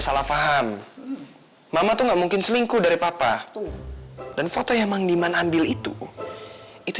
salah faham mama tuh nggak mungkin selingkuh dari papa dan foto yang menggimbal itu itu